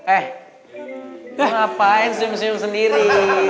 eh ngapain senyum senyum sendiri